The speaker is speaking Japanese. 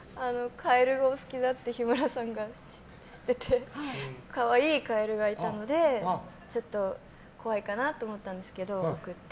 カエルがお好きだって日村さんが言ってて可愛いカエルがいたのでちょっと怖いかなと思ったんですけど、送って。